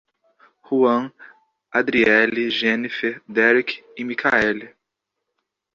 Ruam, Adriely, Genifer, Derick e Mikaeli